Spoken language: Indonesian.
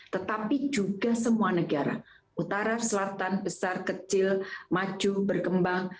tetapi juga semua negara utara selatan besar kecil maju berkembang